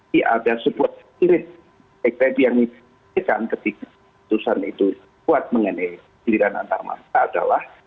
tapi ada sebuah kiri ekstrem yang dikirakan ketika keputusan itu buat mengenai giliran antar mantra adalah